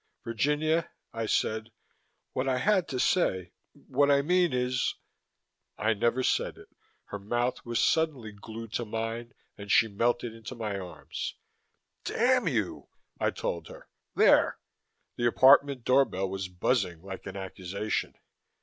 "Virginia," I said, "what I had to say what I mean is " I never said it. Her mouth was suddenly glued to mine and she melted into my arms. "Damn you!" I told her. "There." The apartment door bell was buzzing like an accusation.